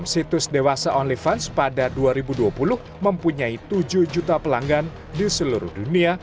situs dewasa only fans pada dua ribu dua puluh mempunyai tujuh juta pelanggan di seluruh dunia